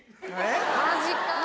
マジかぁ。